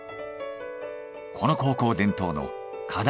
この高校伝統の課題